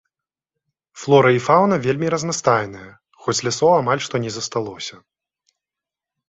Флора і фаўна вельмі разнастайныя, хоць лясоў амаль што не засталося.